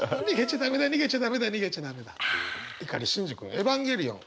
碇シンジ君「エヴァンゲリオン」。